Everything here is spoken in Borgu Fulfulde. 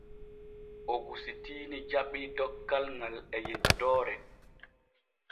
Ogusitiini jaɓii dokkal ŋal e yettoore.